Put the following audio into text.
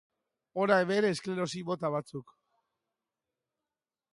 Hona hemen esklerosi mota batzuk.